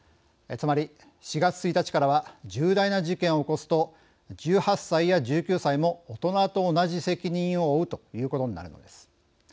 つまり、４月１日からは重大な事件を起こすと１８歳や１９歳も大人と同じ責任を負うということになるのです。